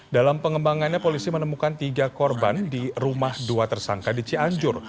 dalam pengembangannya polisi menemukan tiga korban di rumah dua tersangka di cianjur